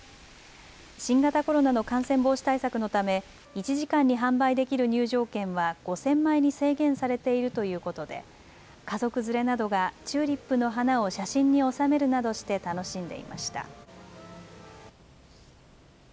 新型コロナの感染防止対策のため１時間に販売できる入場券は５０００枚に制限されているということで家族連れなどがチューリップの花を写真に収めるなどして楽しんでいました。